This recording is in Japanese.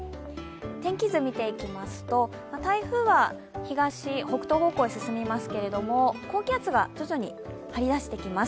天気図、見ていきますと台風は北東方向へ進みますけど高気圧が徐々に張りだしてきます。